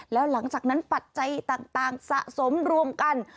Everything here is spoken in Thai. แล้วหลังจากนั้นปัจจัยต่างสะสมรวมกัน